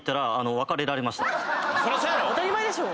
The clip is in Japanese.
当たり前でしょ。